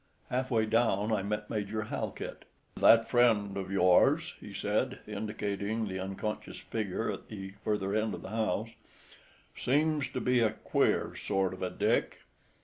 Half way down I met Major Halkit. "That friend of yours," he said, indicating the unconscious figure at the further end of the house, "seems to be a queer sort of a Dick.